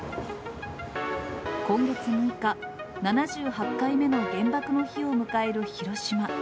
今月６日、７８回目の原爆の日を迎える広島。